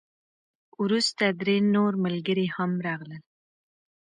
وروسته درې نور ملګري هم راغلل.